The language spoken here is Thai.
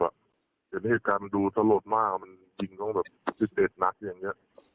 เหมือนเหตุการณ์มันดูสลดมากมันยิงต้องแบบพิเศษนักอย่างเงี้ย